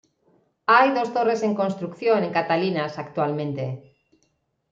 Hay dos torres en construcción en Catalinas actualmente.